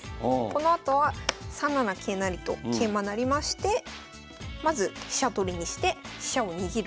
このあとは３七桂成と桂馬成りましてまず飛車取りにして飛車を逃げる。